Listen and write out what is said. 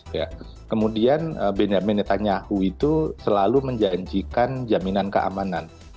ya kemudian benjamin netanyahu itu selalu menjanjikan jaminan keamanan